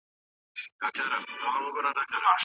هغې هيڅ خبره و نه کړه.